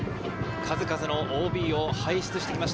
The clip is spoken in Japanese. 数々のＯＢを輩出してきました、